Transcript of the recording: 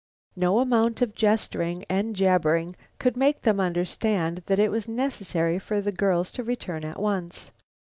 No amount of gesturing and jabbering could make them understand that it was necessary for the girls to return at once.